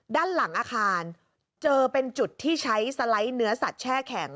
ด้านหลังอาคารเจอเป็นจุดที่ใช้สไลด์เนื้อสัตว์แช่แข็ง